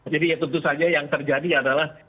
jadi ya tentu saja yang terjadi adalah